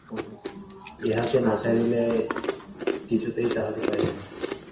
ইহাকে না ছাড়িলে কিছুতেই তাঁহাকে পাইবে না।